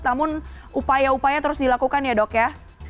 namun upaya upaya terus dilakukan ya dok ya